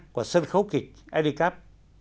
của sân khấu kịch edikap